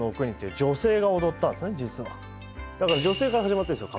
だから女性から始まってるんですよ